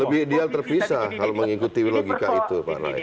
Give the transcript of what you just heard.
lebih ideal terpisah kalau mengikuti logika itu pak naif